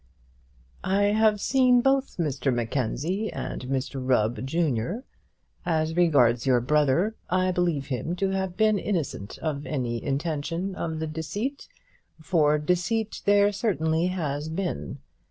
I have seen both Mr Mackenzie and Mr Rubb, junior. As regards your brother, I believe him to have been innocent of any intention of the deceit, for deceit there certainly has been.